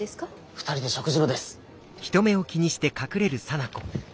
２人で食事のです。